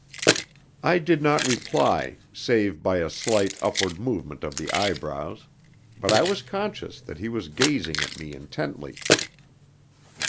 I did not reply, save by a slight upward movement of the eyebrows, but I was conscious that he was gazing at me intently.